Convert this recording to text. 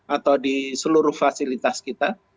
atau di seluruh fasilitas kita